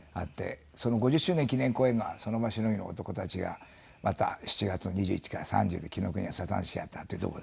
その５０周年記念公演が『その場しのぎの男たち』がまた７月の２１から３０に紀伊國屋サザンシアターっていうとこでやらさせて。